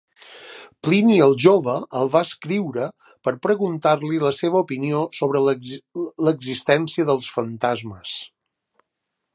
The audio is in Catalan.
Plini el Jove el va escriure per preguntar-li la seva opinió sobre l'existència dels fantasmes.